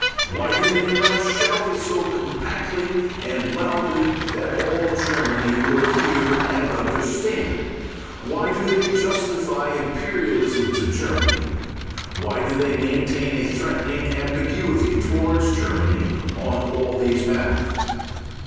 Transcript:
Why do they not shout it so compactly and loudly that all Germany will hear and understand? Why do they justify imperialism to Germany? Why do they maintain a threatening ambiguity towards Germany on all these matters?